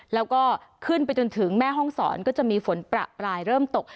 แล้วก็ขึ้นไปจนถึงแม่ห้องศรก็จะมีฝนประปรายเริ่มตก